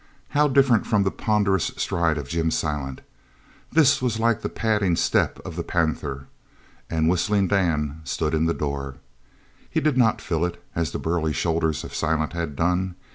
How different from the ponderous stride of Jim Silent! This was like the padding step of the panther. And Whistling Dan stood in the door. He did not fill it as the burly shoulders of Silent had done.